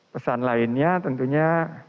pesan lainnya tentunya